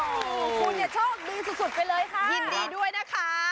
โอ้โหคุณเนี่ยโชคดีสุดไปเลยค่ะยินดีด้วยนะคะ